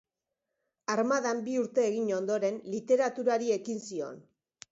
Armadan bi urte egin ondoren, literaturari ekin zion.